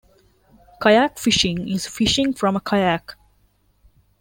Kayak fishing is fishing from a kayak.